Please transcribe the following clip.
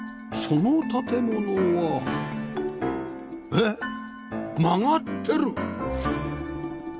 その建物はえっ曲がってる？